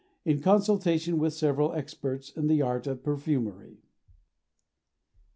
in consultation with several experts in the art of perfumery.